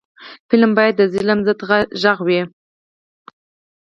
فلم باید د ظلم ضد غږ وي